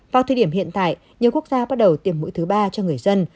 vào thời điểm hiện tại nhiều quốc gia bắt đầu tiêm mũi thứ ba cho người dân